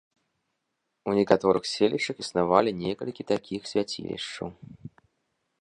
У некаторых селішчах існавалі некалькі такіх свяцілішчаў.